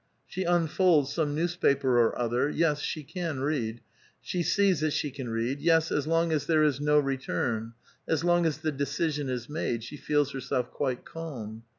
She unfolds some newspaper or other — yes, she can read ; she sees that she can read ; yes, as long as there is "no re turn "; as long as the decision is made, she feels herself quite calm.